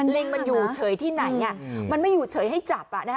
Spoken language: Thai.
ลิงมันอยู่เฉยที่ไหนมันไม่อยู่เฉยให้จับ